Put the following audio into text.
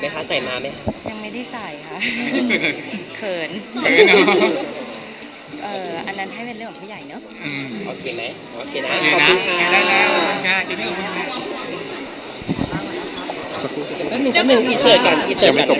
พี่เจนแล้วยังแหวะที่เขาขอแล้ววันนั้นเราสวบเลยไหมคะ